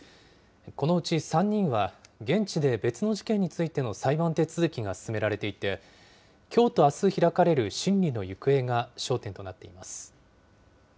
このうち３人は、現地で別の事件についての裁判手続きが進められていて、きょうとあす開かれる審理の行方が焦点となっています。